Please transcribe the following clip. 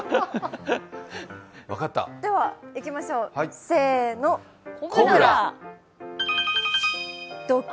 では、いきましょう、せーの、コブラ！